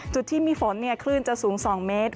จุดที่มีฝนคลื่นจะสูง๒เมตร